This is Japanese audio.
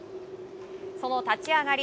その立ち上がり